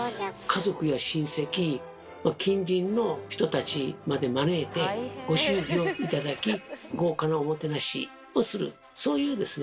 家族や親戚近隣の人たちまで招いてご祝儀を頂き豪華なおもてなしをするそういうですね